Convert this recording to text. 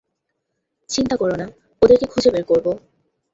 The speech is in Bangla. চিন্তা করো না, ওদেরকে খুঁজে বের করব।